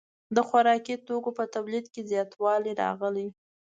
د خوراکي توکو په تولید کې زیاتوالی راغی.